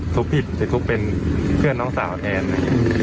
ปุ๊บผิดผิดทุกข์เป็นเพื่อนน้องสาวแทนน่ะ